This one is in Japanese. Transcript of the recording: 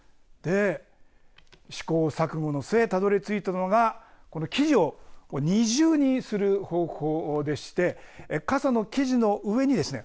試行錯誤の末たどりついたのがこの生地を二重にする方法でして傘の生地の上にですね